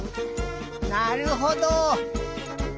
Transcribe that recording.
なるほど。